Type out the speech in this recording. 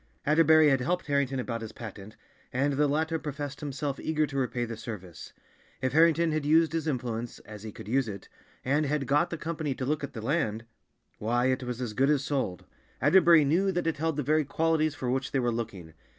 Atterbury had helped Harrington about his patent, and the latter professed himself eager to repay the service. If Harrington had used his influence—as he could use it—and had got the company to look at the land, why, it was as good as sold. Atterbury knew that it held the very qualities for which they were looking.